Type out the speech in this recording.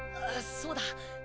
あっそうだ。